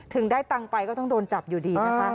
ถึงได้ตังค์ไปก็ต้องโดนจับอยู่ดีนะคะ